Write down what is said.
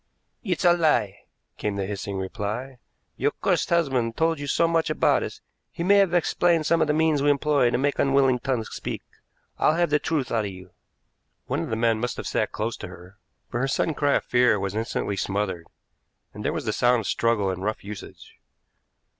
"It's a lie," came the hissing reply. "Your cursed husband told you so much about us, he may have explained some of the means we employ to make unwilling tongues speak. I'll have the truth out of you." One of the men must have sat close to her, for her sudden cry of fear was instantly smothered, and there was the sound of struggle and rough usage.